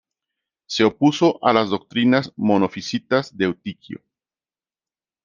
Se opuso a las doctrinas monofisitas de Eutiquio.